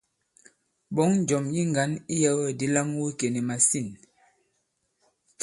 Ɓɔ̌ŋ njɔ̀m yi ŋgǎn iyɛ̄wɛ̂kdi lam wu ikè nì màsîn.